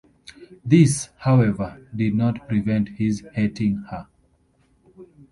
This, however, did not prevent his hating her.